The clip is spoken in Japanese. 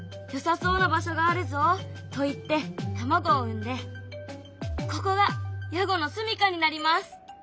よさそうな場所があるぞといって卵を産んでここがヤゴのすみかになります。